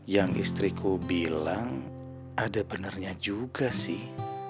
yang istriku bilang ada benarnya juga sih